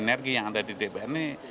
energi yang ada di dpr ini